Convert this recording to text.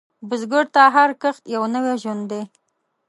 بزګر ته هر کښت یو نوی ژوند دی